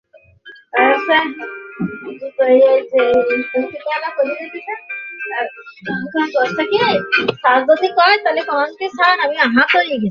আপনাকে আগেই বলেছি, আমার স্ত্রী খুব স্বাভাবিক মহিলা ছিল।